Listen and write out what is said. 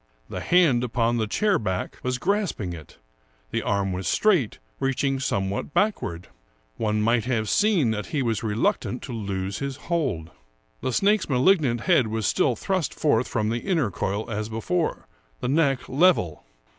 The hand upon the chair back was grasping it ; the arm was straight, reaching somewhat back ward. One might have seen that he was reluctant to lose his hold. The snake's malignant head was still thrust forth from the inner coil as before, the neck level.